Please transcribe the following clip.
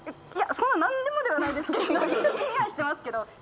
いやそんな何でもではないですけど。